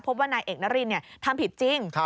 พบว่านายเอกนรินทำผิดจริง